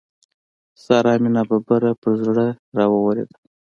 سارا مې ناببره پر زړه را واورېده.